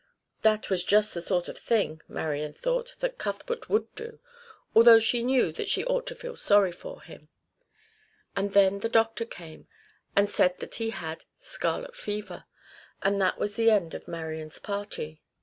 That was just the sort of thing, Marian thought, that Cuthbert would do, although she knew that she ought to feel sorry for him; and then the doctor came and said that he had scarlet fever, and that was the end of Marian's party.